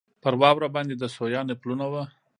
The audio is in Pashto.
پر واوره باندې د سویانو پلونه وو.